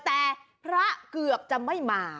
แต่พระเกือบจะไม่มา